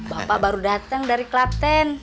bapak baru dateng dari klaten